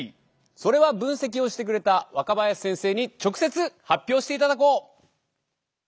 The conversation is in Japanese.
それは分析をしてくれた若林先生に直接発表していただこう！